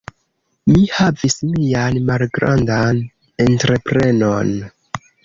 Mi havis mian malgrandan entreprenon.